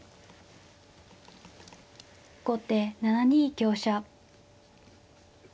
後手７二香車。